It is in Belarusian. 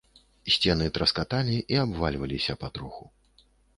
Сцены траскаталі і абвальваліся патроху.